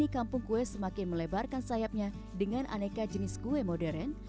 kampung kue semakin melebarkan sayapnya dengan aneka jenis kue modern